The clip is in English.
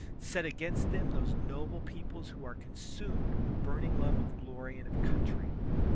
Set against them those noble peoples who are consumed with a burning love of glory and of coun try.